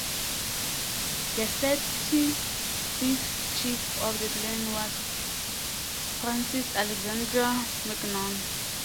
The thirty-fifth chief of the clan was Francis Alexander Mackinnon.